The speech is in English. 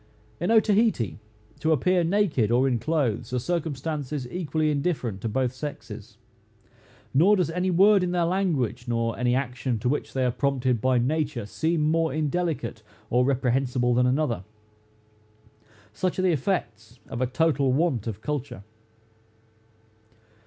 In Otaheite, to appear naked or in clothes, are circumstances equally indifferent to both sexes; nor does any word in their language, nor any action to which they are prompted by nature, seem more indelicate or reprehensible than another. Such are the effects of a total want of culture.